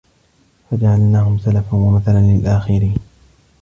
فَجَعَلناهُم سَلَفًا وَمَثَلًا لِلآخِرينَ